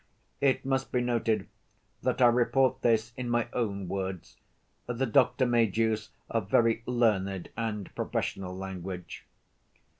(It must be noted that I report this in my own words, the doctor made use of very learned and professional language.)